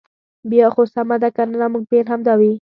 بیا خو سمه ده کنه ناممکن همدا وي.